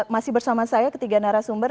masih bersama saya ketiga narasumber